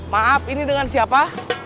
maaf ini dengan siapa